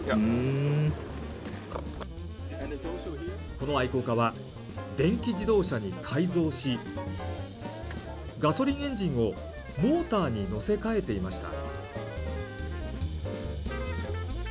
この愛好家は電気自動車に改造しガソリンエンジンをモーターに載せ替えていました。